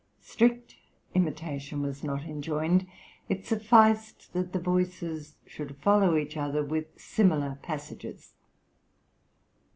Strict imitation was not enjoined; it sufficed that the voices should follow each other with similar passages.